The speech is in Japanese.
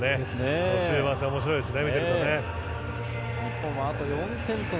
この終盤戦面白いですね。